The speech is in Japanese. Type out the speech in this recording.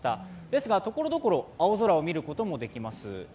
ですが、ところどころ青空を見ることもできます。